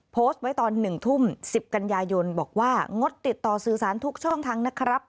โพสต์ไว้ตอน๑ทุ่ม๑๐กันยายนบอกว่างดติดต่อสื่อสารทุกช่องทางนะครับ